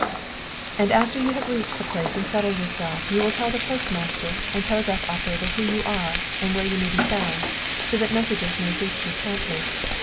"And after you have reached the place and settled yourself you will tell the postmaster and telegraph operator who you are and where you may be found, so that messages may reach you promptly.